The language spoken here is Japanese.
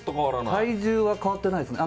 体重は変わってないですね。